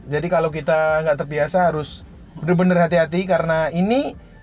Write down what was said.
jadi kalo kita ga terbiasa harus bener bener hati hati karena ini